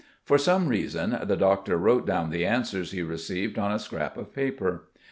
For some reason the doctor wrote down the answers he received on a scrap of paper.